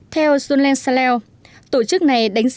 theo john lang lascelles tổ chức này đánh giá